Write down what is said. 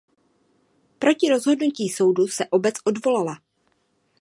Proti rozhodnutí soudu se obec odvolala.